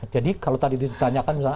jadi kalau tadi ditanyakan misalnya